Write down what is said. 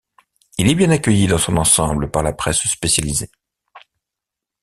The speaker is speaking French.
Il est bien accueilli dans son ensemble par la presse spécialisée.